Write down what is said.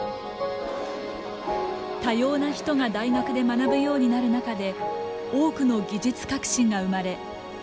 多様な人が大学で学ぶようになる中で多くの技術革新が生まれ